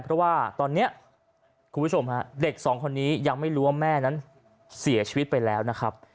เพราะว่าตอนนี้คุณผู้ชมฮะเด็กสองคนนี้ยังไม่รู้ว่าแม่นั้นเสียชีวิตไปแล้วนะครับ